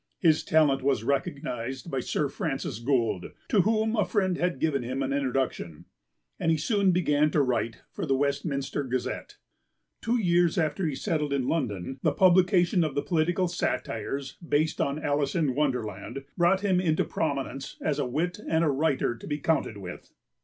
His talent was recognised by Sir Francis Gould, to whom a friend had given him an introduction, and he soon began to write for the Westminster Gazette. Two years after he settled in London the publication of the political satires, based on Alice in Wonderland, brought him into prominence as a wit and a writer to be counted with.